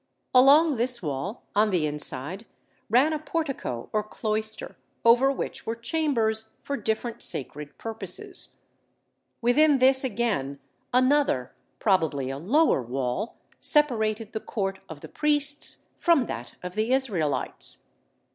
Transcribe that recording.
Along this wall, on the inside, ran a portico or cloister, over which were chambers for different sacred purposes. Within this again another, probably a lower, wall separated the court of the priests from that of the Israelites.